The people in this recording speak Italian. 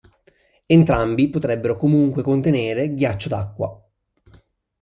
Entrambi potrebbero comunque contenere ghiaccio d'acqua.